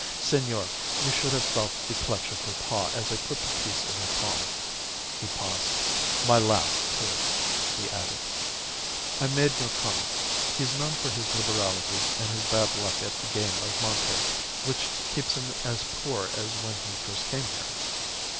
'Senor, you should have felt the clutch of her paw as I put the piece in her palm.' He paused. 'My last, too,' he added. "I made no comment. He's known for his liberality and his bad luck at the game of monte, which keeps him as poor as when he first came here.